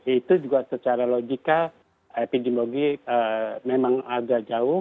itu juga secara logika epidemiologi memang agak jauh